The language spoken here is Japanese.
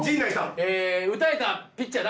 ええ打たれたピッチャー誰？